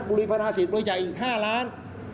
บริพนาศิษย์บริจาคอีก๕ล้าน